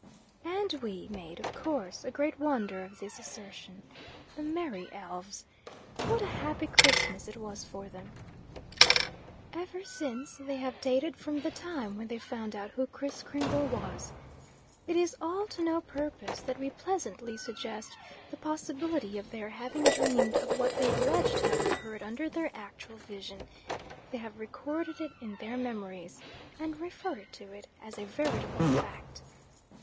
And we, made, of course, a great wonder of this assertion. The merry elves! What a happy Christmas it was for them. Ever since, they have dated from the time when they found out who Kriss Kringle was. It is all to no purpose that we pleasantly suggest the possibility of their having dreamed of what they allege to have occurred under their actual vision; they have recorded it in their memories, and refer to it as a veritable fact.